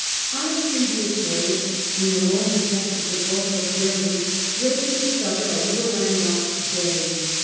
On his previous voyage in the lonely depths of the Gulf of Darien, Drake had discovered a little landlocked bay.